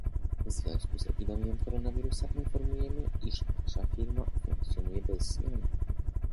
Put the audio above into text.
W związku z epidemią koronawirusa informujemy, iż nasza Firma funkcjonuje bez zmian.